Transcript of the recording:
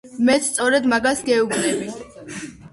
მეც სწორედ მაგას გეუბნები .